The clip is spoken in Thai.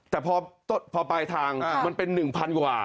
แต่พอปลายทางมันเป็น๑๐๐๐กว่า